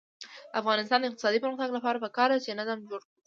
د افغانستان د اقتصادي پرمختګ لپاره پکار ده چې نظم جوړ کړو.